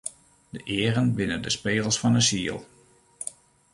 De eagen binne de spegels fan 'e siel.